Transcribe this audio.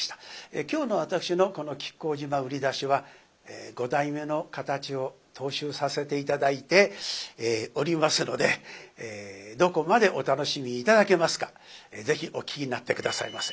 今日の私のこの「亀甲縞売出し」は五代目の形を踏襲させて頂いておりますのでどこまでお楽しみ頂けますかぜひお聴きになって下さいませ。